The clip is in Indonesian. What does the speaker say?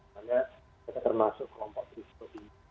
karena mereka termasuk kelompok klinis